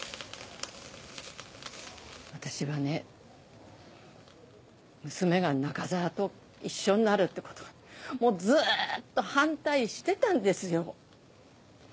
私はね娘が中沢と一緒になるってことがもうずっと反対してたんですよ。